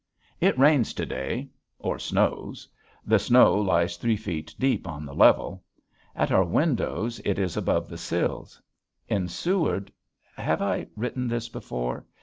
It rains to day or snows. The snow lies three feet deep on the level. At our windows it is above the sills. In Seward, have I written this before?